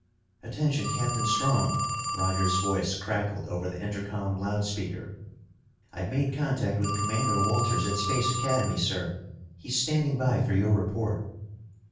"Attention, Captain Strong," Roger's voice crackled over the intercom loud speaker. "I've made contact with Commander Walters at Space Academy, sir. He's standing by for your report."